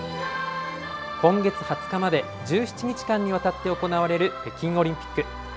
今月２０日まで、１７日間にわたって行われる北京オリンピック。